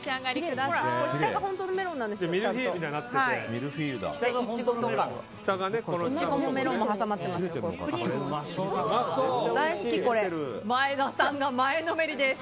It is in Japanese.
下が本当のメロンなんですよ。